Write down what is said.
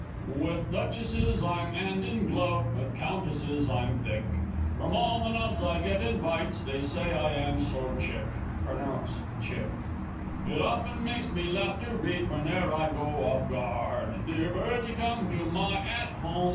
_ With duchesses I'm 'and in glove, with countesses I'm thick; From all the nobs I get invites they say I am "so chic!" [Pronounce "chick." It often makes me laugh to read, whene'er I go off guard, "Dear Bertie, come to my At Home!"